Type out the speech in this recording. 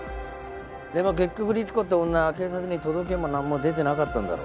でも結局律子って女は警察に届けもなんも出てなかったんだろ？